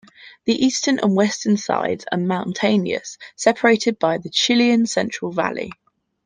The eastern and western sides are mountainous, separated by the Chilean Central Valley.